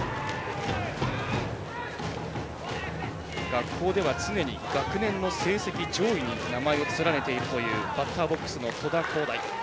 学校では、常に学年の成績上位に名前を連ねているというバッターボックスの戸田皓大。